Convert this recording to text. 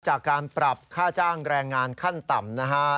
จากการปรับค่าจ้างแรงงานขั้นต่ำนะฮะ